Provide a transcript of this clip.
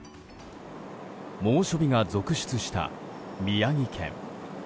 猛暑日が続出した宮城県。